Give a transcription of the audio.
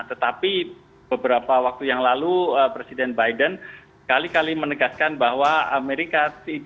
tetapi beberapa waktu yang lalu presiden biden kali kali menegaskan bahwa amerika